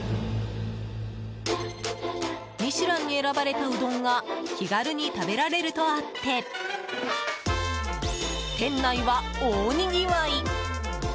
「ミシュラン」に選ばれたうどんが気軽に食べられるとあって店内は大にぎわい。